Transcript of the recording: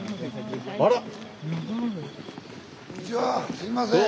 すいません。